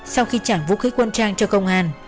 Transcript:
sau khi trả vũ khí quân trang cho công an